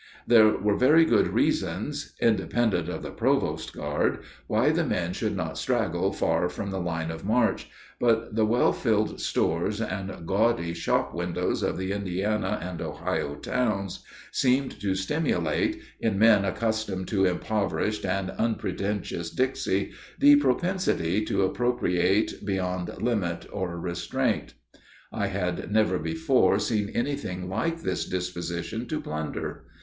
There were very good reasons, independent of the provost guard, why the men should not straggle far from the line of march; but the well filled stores and gaudy shop windows of the Indiana and Ohio towns seemed to stimulate, in men accustomed to impoverished and unpretentious Dixie, the propensity to appropriate beyond limit or restraint. I had never before seen anything like this disposition to plunder.